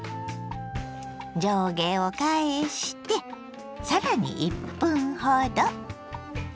上下を返してさらに１分ほど。